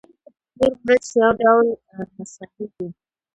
تور مرچ یو ډول مسالې دي